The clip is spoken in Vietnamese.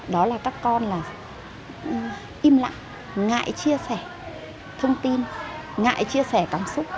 đó là các con là im lặng ngại chia sẻ thông tin ngại chia sẻ cảm xúc